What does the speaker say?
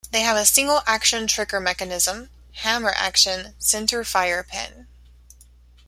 They have a single action trigger mechanism, hammer action, center fire pin.